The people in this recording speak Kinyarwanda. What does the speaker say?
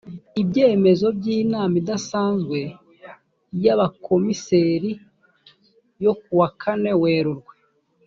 ibyemezo by inama idasanzwe y abakomiseri yo kuwa kane werurwe